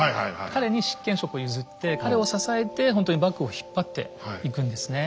彼に執権職を譲って彼を支えてほんとに幕府を引っ張っていくんですね。